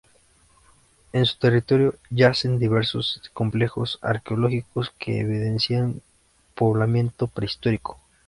En su territorio yacen diversos complejos arqueológicos que evidencian poblamiento prehistórico.